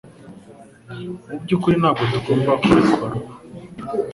Mu byukuri ntabwo tugomba kubikora ubu.